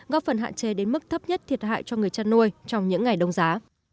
góp phần hạn chế đến mức thấp nhất thiệt hại cho người chăn nuôi trong những ngày đông giá